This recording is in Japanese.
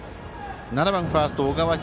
７番、ファースト、小川輝。